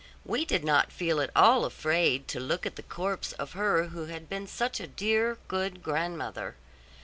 We did not feel at all afraid to look at the corpse of her who had been such a dear, good grandmother.